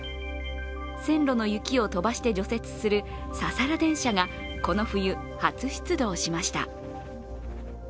線路の雪を飛ばして除雪するササラ電車がこの冬、初出動しました。